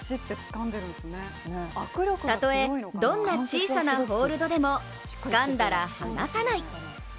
たとえどんな小さなホールドでもつかんだら離さない！